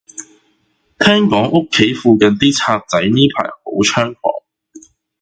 聽講屋企附近啲賊仔呢排好猖狂